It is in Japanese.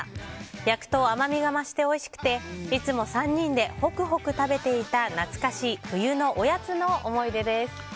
焼くと、甘みが増しておいしくていつも３人でホクホク食べていた懐かしい冬のおやつの思い出です。